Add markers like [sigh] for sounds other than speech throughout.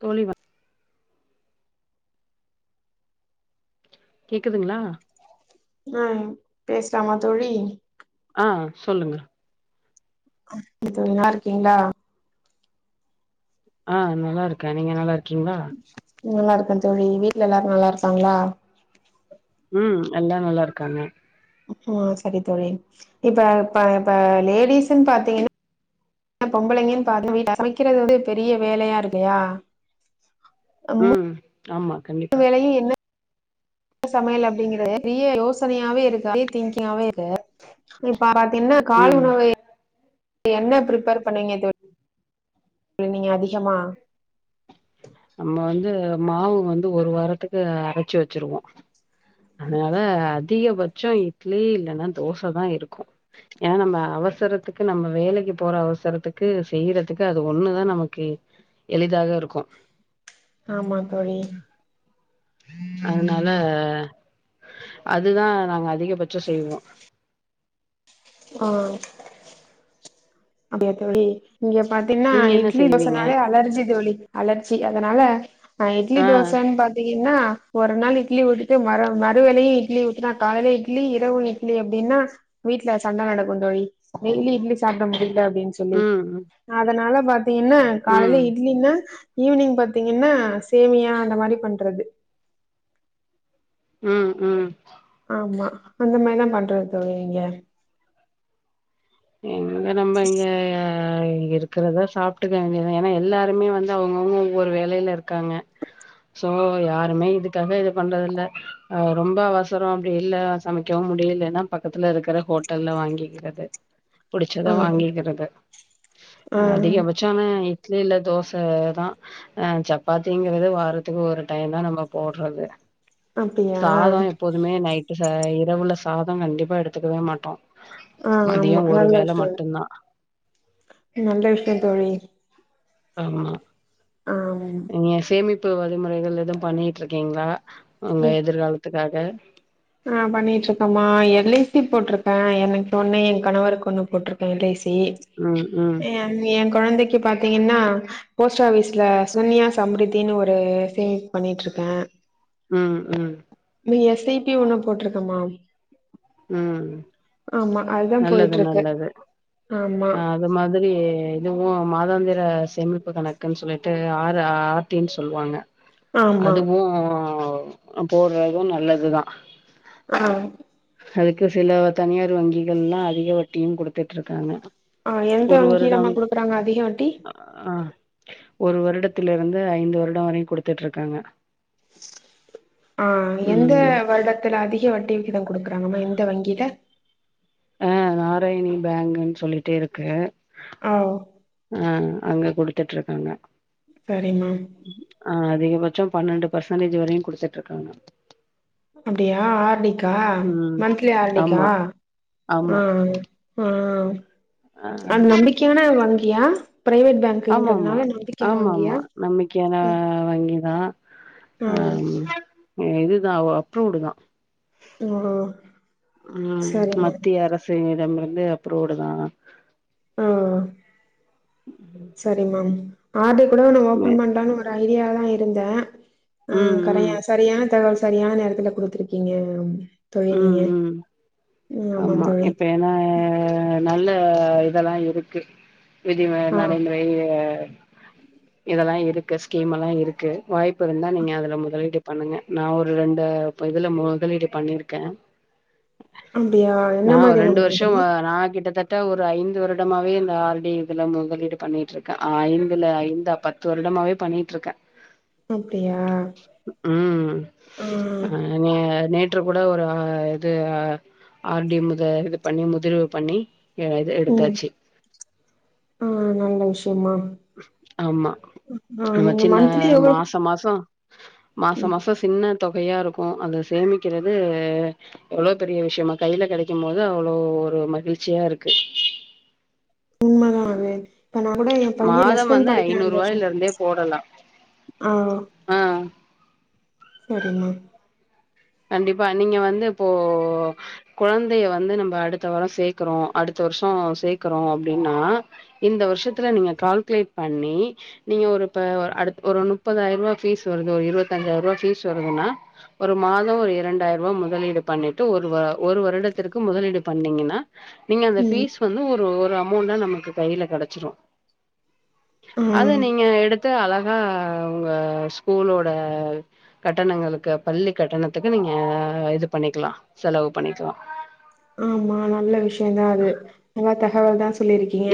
தோழி வ கேக்குதுங்ளா? அ பேசலாமா தோழி அ சொல்லுங்க [unintelligible] நல்லாருக்கீங்ளா? ஆ நல்லாருக்கே நீங்க நல்லாருக்கீங்ளா? நல்லாருக்கே தோழி வீட்ல எல்லாரு நல்லாருக்காங்ளா? ம் எல்லா நல்லாருக்காங்க ம் சரி தோழி இப்ப இப்ப இப்ப லேடிஸுன் பாத்தீங்கனா பொம்பளைங்கன் பாத்தீங்கனா சமக்கிறது வந்து பெரிய வேலயா [inaudible] ம் ஆமா னு‌ கண்டிப்பா வேளயு என்ன சமையல் அப்டிங்கிறது பெரிய யோசனயாவே இருக்கு பெரிய திங்கிங்காவே இருக்கு [unintelligible] என்ன காலை ம் உணவே என்ன ப்ரிப்பேர் பண்ணிங்க ‌தோ ழி நீங்க அதிகமா நம்ம வந்து மாவு வந்து ஒரு வாரத்துக்கு அரச்சு வச்சிருவொ அதனால அதிகபட்சொ இட்லி இல்லன்னா தோச தா இருக்கு ஏனா நம்ம அவசரத்துக்கு நம்ம வேலைக்கு போற அவசரத்துக்கு செய்யறதுக்கு அது ஒன்னுதா நமக்கு எளிதாக இருக்கு ஆமா தோழி அதுனால அதுதா நாங்க அதிகபட்சொ செய்வோ ஆ அப்டியா தோழி இங்க பாத்தீங்னா நீங்க என்ன இட்லி தோச செய்வீங்க நாலே அலர்ஜி தோழி அலர்ஜி அதனால நா இ்ட்லி ஆ தோசன் பாத்தி ன்னா ஒரு நாள் இட்லி ஊத்திட்டு மற மறுவேலையு இட்லி ஊத்துனா காலேல இட்லி இரவு இட்லி அப்டின்னா வீட்ல சண்ட நடக்கு தோழி டெய்லி இட்லி சாப்ட முடியு அப்டின் சொல்லி ம் அதனால இப்ப என்ன காலைல ம் இட்லின்ன ஈவினிங் பாத்தீங்கன்னா சேமியா அந்த மாரி பண்றது ம் ம் ஆமா அந்த மாரிதா பண்றோ தோழி இங்க எங்கங்க நம்ம இங்க ஆ இருக்கறத சாப்ட்டுக்க வேண்டியதுதா. ஏன்னா எல்லாருமே வந்து அவங்கவுங்க ஒவ்வொரு வேலையில இருக்காங்க. சோ யாருமே இதுக்காக இது பண்றது இல்ல. ஆ ரொம்ப அவசரோ அப்டி இல்ல சமைக்கவு முடியலன்னா பக்கத்துல இருக்கற ஹோட்டல்ல வாங்கிக்கிறது புடிச்சத ஆ வாங்கிக்கிறது ஆ அதிகபட்சமே இல்ல தோசதா ஆ சப்பாத்திங்கறது வாரத்துக்கு ஒரு டைம்தா நம்ம போட்றது அப்படியா சாதோ எப்போதுமே நைட்டு ஆ இரவுல சாதம் கண்டிப்பா எடுத்துக்கவே மாட்டோ ஆ மதியோ ஆமா ந ஒரு நல்ல வேள விஷயோ மட்டுந்தா நல்ல விஷயோ தோழி ஆமா அம் ப்பு வழிமுறைகள் எதும் பண்ணிட்ருக்கீங்களா உங்க எதிர்காலத்துக்காக க ஆ பண்ணிட்ருக்கம்மா எல் ஐ சி போட்ருக்கே எனக்கு ஒண்ணு என் கணவருக்கு ஒண்ணு போட்ருக்கே எல் ஐ சி ம் ம் என் என் கொழந்தைக்கி பாத்தீங்கன்னா போஸ்ட் ஆஃபீஸ்ல சுகன்யா சம்ருத்தின்னு ஒரு சேமிப்பு பண்ணிட்ருக்கே. ம் ம் டி ஒண்ணு போட்ருக்கம்மா ம் அதுதா நல்லது போயிட்டு இருக்கு நல்லது ஆமா ஆ அது மாதிரி இதுவு மாதாந்தி ர சேமிப்பு கணக்குன்னு சொல்லிட்டு ஆர் ஆர் டி ன்னு சொல்வாங்க. ஆமா அதுவு அ அ போட்ற இதுவு நல்லதுதா ஆ அதுக்கு சில தனியார் வங்கிகள்லா அதிக வட்டியு குடுத்துட்ருக்காங்க ஆ எந்த ஒரு வங்கியிலம்மா வருடம் குடுக்குறாங்க அதிக வட்டி? அ ஒரு வருடத்தில இருந்து ஐந்து வருடோ வரையு குடுத்துட்ருக்காங்க. ஆ எந்த ம் வருடத்துல அதிக வட்டி விகிதோ குடுக் கறாங்கம்மா எந்த வங்கியில? ஆ நாராயணி பேங்குன்னு சொல்லிட்டு இருக்கு ஆ ஆ அங்க குடுத்துட்ருக்காங்க. சரிம்மா ஆ அதிகபட்சோ பன்னெண்டு பர்சன்டேஜ் வரையு குடுத்துட்ருக்காங்க. அப்டியா ஆர் டி க்கா ம் மந்த்லி ஆர் டி க்கா? ஆமா ஆ ஆமா ஆ அது நம்பிக்கையான வங்கி யா? ஆமா ஆமா ஆமா ஆமா நம்பிக்கையான அ வங்கிதா ஆ அம் எ இதுதா ஒ அப்ரூவ்டுதா ஓ ம் சரி மேம் மத்திய அரசினி டமிருந்து அப்ரூவ்டுதா ஆ சரிம்மா ஆர் டி கூட ஒன்னு ஓப்பன் ம் பண்லான்னு ஒரு ஐ டியாலதா இருந்தே ஆ ம் கரையா சரியான தகவல் சரியான நேரத்துல குடுத்துருக்கீங்க தோழி நீங்க ம் ம் ம் ஆமா தோழி இப்ப ஏன்னா நல்ல இதெல்லா இருக்கு இது ஆ நடைமுறை ஆ இதெல்லா இருக்கு ஸ்கீம் எல்லா இருக்கு வாய்ப்பு இருந்தா நீங்க அதுல முதலீடு பண்ணுங்க நா ஒரு ரெண்டு ப்ப இதுல முதலீடு பண்ணிரு க்கே அப்டியா என்ன மாரியான முதலீடும்மா? ட ஒரு ஐந்து வருடமாவே இந்த ஆர் டி இதுல முதலீடு பண்ணிட்ருக்கேன் ஐந்து இல்ல ஐந்தா பத்து வருடமாவே பண்ணிட்ருக்கே அப்டியா ம் ஆ நே நேத் கூட ஒரு இது ஆர் டி முத இது பண்ணி முதிர்வு பண்ணி இது ம் எடுத்தாச்சு ஆ நல்ல விஷயம்மா ஆமா நம்ம சின்ன மந்த்லி எவ்ளோ மாச மாசோ ஆ மாச ம் மாசோ சின்ன தொகையா இருக்கு அத சேமிக்கிறது எவ்ளோ பெரிய விஷயம்மா கைல கெடைக்கும் போது அவ்ளோ ஒரு மகிழ்ச்சியா இருக்கு. உண்மதா அது இப்ப நா கூட ஏன் பையன் ப்ளஸ் மாதம் ஒன் வந்து படிக்கிறா இந்த ஐநூறு வர்ஷோ ரூவாயில இருந்தே போடலா ஆ ஆ சரிம்மா கண்டிப்பா நீங்க வந்து இப்போ கொழந்தைய வந்து நம்ப அடுத்த வாரம் சேக்கறோ அடுத்த வருஷம் சேக்கறோ அப்டின்னா இந்த வருஷத்துல நீங்க கால்கலேட் பண்ணி நீங்க ஒரு இப்ப ஒ அடுத் ஒரு முப்பதாயிர ரூபா பீஸ் வருது ஒரு இருவத்தஞ்சாயிர ரூபா பீஸ் வருதுன்னா ஒரு மா ஒரு இரண்டாயிர ரூபா முதலீடு பண்ணிட்டு ஒரு வ ஒரு வருடத்திற்கு முதலீடு பண்ணீங்கன்னா நீங்க அந்த ம் பீஸ் வந்து ஒ ரு ஒரு அம்மௌண்ட்டா நமக்கு கையல கெடைச்சிடும் ஆ அது நீங்க எடுத்த அலக் ஆ உங்க ஸ்கூலோட கட்டணங்களுக்கு பள்ளி கட்டணத் துக்கு நீங்க இது பண்ணிக்கலா செலவு பண்ணிக்கலா ஆம்மா நல்ல விஷ் என்னாது நல்லா தகவல் தா ஸ்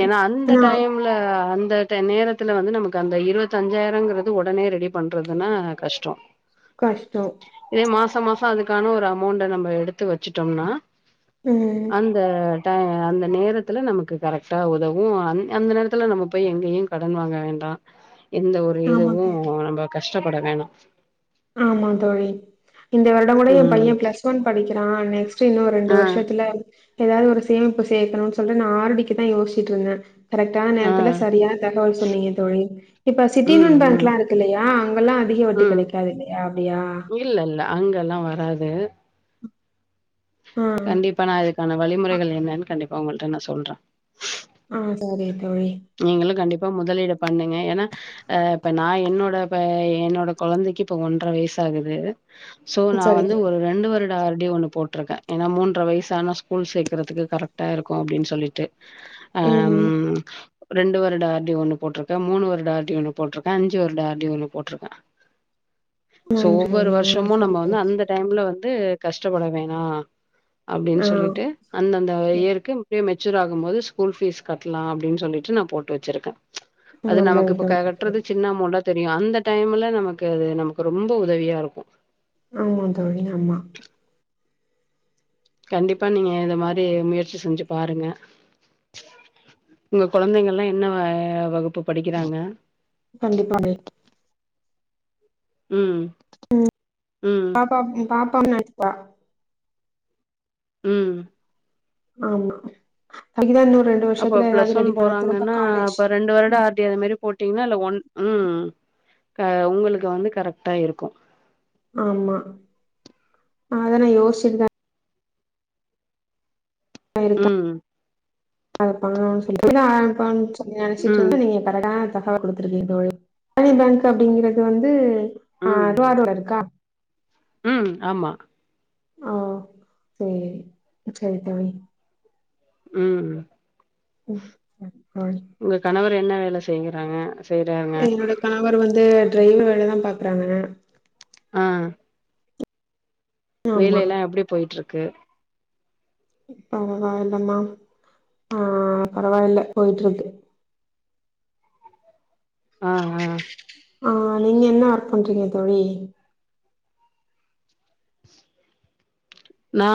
ஏனா அந்த டைம்ல அந்த ந்த நேரத்துல வந்து நமக்கு அந்த இருவத்தஞ்சாயிரங்கறது உடனே ரெடி பண்றதுன்னா கஷ்டம் கஷ்டோ மாச மாசம் அதுக்கான ஒரு அமௌண்ட்ட நம்ப எடுத்து வச்சுட்டோம்னா ம் அந்த ட அந்த நேரத்துல நமக்கு கரெட்டா உதவும் அ அந்த நேரத்துல நம்ம போய் எங்கயோ கடன் வாங்க வேண்டா எந்த ஒரு ஆமா இதுவோ தோழி நம்ப கஷ் கஷ்டப்பட வேணா ஆமா தோழி இந்த வருட கூட என் ம் பையன் ப்ளஸ் ஒன் படிக்கிறான் நெக்ஸ்ட் னும் ரெண்டு ஆ வருஷத்துல ஏதாவது ஒரு சேமிப்பு சேக்கணுன் சொல்ட்டு நா ஆரடிக்குதா யோசிச்சிட்டு இருந்தே கரெக்ட்டான ஆ நேரத்துல சரியான தகவல் சொன்னீங்க தோழி இப்ப சிட்டினு ம் லோன் பேங்க் ம் எல்லா இருக்கு இல்லயா அங்கெல்லா அதிக வட்டி கிடைக்க கதுல்லையா அப்டியா அங்கெல்லா வராது ஆ கண்டிப்பா நா அதுக்கான வழிமுறைகள் என்னன் கண்டிப் உங்கள்ட்ட நா சொல்றே ஆ சாரிப் நீங்களு கண்டிப் இப்ப முதலீடு பண்ணுங்க ஏனா அ இப்ப நா என்னோட ப என்னோட கொழந்தைக்கு இப்ப ஒன்ற வயசாகுது சோ நா சரி வந்து தோழி ஒரு ரெண்டு வருட நா ஆரடி ஒண்ணு போட்ருக்கே ஏனா மூன்ற வயசான ஸ்கூல் சேக்கறதுக்கு கரெக்ட்டா இருக்கும் அப்டின் சொல்லிட்டு ம் ம் ரெண்டு வருட ஆர்டி ஒண்ணு போட்ருக்கே மூணு வருட ஆர்டி ஒண்ணு போட்ருக்கே அஞ்சு வருட ஆர்டி ஒண்ணு போட்ருக்கே சோ நன்றி ஒவ்வொரு தோழி ஆ வருஷமு சரி நம்ம வந்து தோழி அந்த டைம்ல வந்து வந்து கஷ்டப்பட வேணா அப்டின்னு ஆ சொல்லிட்டு அந்தந்த இயருக்கு மே ஆகும் போது ஸ்கூல் ஃப்பீஸ் கட்லா அப்டின்னு சொல்லிட்டு நா போட்டு வச்சிருக்கே அது நமக்கு நல்லது இப்ப தோழி கட்றது சின்ன அமௌண்டா தெரியு அந்த டைம்ல நமக்கு அது நமக்கு ரொம்ப உதவியா இருக்கு ஆமாங்க தோழி ஆமா கண்டிப்பா நீங்க இத மாரி முயற்சி செஞ்சு பாருங்க உங்க குழந்தைகள்லா என்ன வகுப்பு படிக்குறாங்க கண்டிப்பா உம் உம் பாப்பா பா காம்னட்டுப்பா [unintelligible] உம் ஆமா அதுக்குதா இன்னு ரெண்டு அப்ப வருஷத்துல ஏதாவது பிளஸ் ஒன் ரெடி பண்ண திரும்ப போறாங்கன்னா காலேஜ் அப்ப ரெண்டு வருட ஆர் டி அது மாதிரி போட்டீங்கனா இல்ல ஒன் உம் அ உங்களுக்கு வந்து கரெக்டா இருக்கு ஆமா அத நா யோசிச்சிட்டுத உம் அப்பாங்க சொல்ல [unintelligible] நினச்சிட்டு ம் இருந்த நீங்க ப தகவல் குடுத்துருக்கே தோழி பாண்டியன் பேங்க் அப்டிங்றது வந்து ஆஹ் ரவடோட இருக்கா [unintelligible] உம் ஆமா ஆ சேரி சேரி தோழி உம் ம் ஆ இப்ப என்ன வேல செய்யுறாங்க என்னோட கணவர் வந்து ரயில் வேலதான் பாக்குறாங்க ஆ ஆமா வேலையெல்லா எப்டி போயிட்டு இருக்கு க்கு பரவாயில்லா மாம் ஆ பரவாயில்ல போயிட்டு இருக்கு ஆ ஆ ஆ நீங்க என்ன வொர்க் பண்றீங்க தோழி நா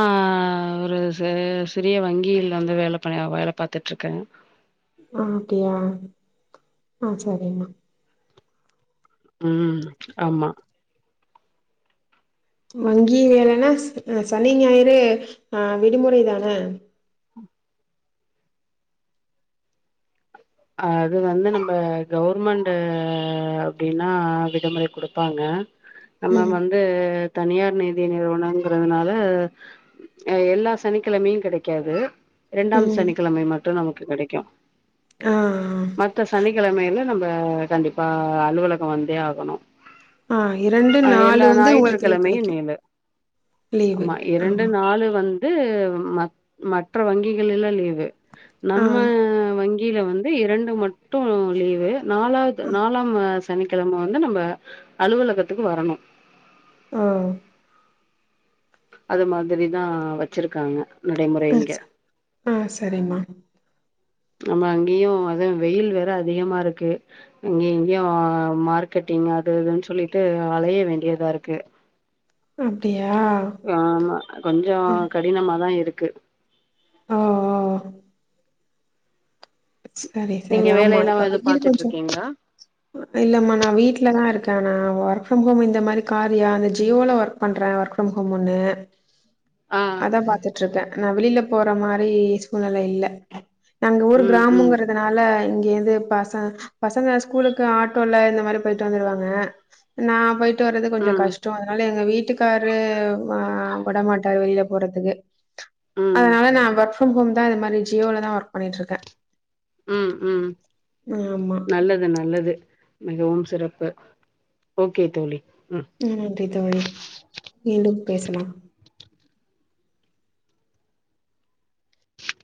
ஒரு ச சிறிய வங்கியில வந்து வேல பண்ணி வேல பார்த்துட்டு இருக்கே ஓ அப்டியா அ சரிமா உம் ஆமா வங்கி வேலன்னா சனி ஞாயிறு ஆ விடுமுறை தான அது வந்து நம்ம கவர்மெண்ட் அப்டின்னா விடுமுறை குடுப்பாங்க நம்ப ம் வந்து தனியார் நிதி நிறுவனங்கிறதுனால எல்லா சனிக்கிழமையு கிடைக்காது இரண்டாம் ம் சனிக்கிழமை மட்டு நமக்கு கிடைக்கு ஆ ஆ சனிக்கிழமையில நம்ப கண்டிப்பா அலுவலக வந்தே ஆகணு ஆ இரண்டு அ நாலு எல்லா வந்து உங்களுக்கு லீவ் ஞாயிற்றுக்கிழமையு கிடைக்கு லீவு லீவு ஆமா இது மற் மற்ற வங்கிகள் எல்லா லீவு ஆ நம்ம வங்கி இலவன் [unintelligible] இரண்டு மட்டு லீவு நாலாவது நாலாம் மாஸ் சனிக்கிழம வந்து நம்ப அலுவலகத்துக்கு வரணு ஆ அது மாதிரிதா வச்சிருக்காங்க ஆ நடமுறைங்க ச- ஆ சரிமா நம்ம அங்கயு அது வெயில் வேற அதிகமா இருக்கு அங்கயு இங்கயு மார்க்கெட்டிங் அது இதுன்னு சொல்லிட்டு அலய வேண்டியதா இருக்கு அப்டியா ஆமா கொஞ்சோ கடினமாதா இருக்கு க்கு ஒ ஒ சரி சரி நீங்க ஆமா வேலையெல்லா இப்ப எது வெயில் பாத்துட்டு கொஞ்சோ இருக்கீங்களா இல்லமா நா வீட்லதா இருக்கே நானா ஒர்க் ஃப்ரம் ஹோம் இந்த மாரி காரியா அந்த ஜீயோல ஒர்க் பண்றே ஒர்க் ஃப்ரம் ஹோமுன்னு ஆ அதா பாத்துட்டு இருக்கே நா வெளில போற மாரி சூழ்நில இல்ல நாங் ம் ம் கிராமங்றதுனால பச பசங்க ஸ்கூலுக்கு ஆட்டோல இந்த மாரி போயிட்டு வந்துருவாங்க நா போயி- வறது கொஞ்சோ ம் கஷ்டோ அதனால எங்க வீ வீட்டுக்காரு ஆ விட மாட்டாரு வெளில போறதுக்கு ம் அதனால நா வொர்க் வொர்க் ஃப்ரம் ஹோம் தா இத மாரி ஜியோல தா ஒர்க் பண்ணிட்டுருக்கே உம் உம் ஆமா. நல்லது நல்லது மிகவும் சிறப்பு ஓகே தோழி ம் உம் நன்றி தோழி மீண்டும் பேசலா